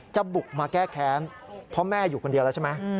บุกมาแก้แค้นเพราะแม่อยู่คนเดียวแล้วใช่ไหม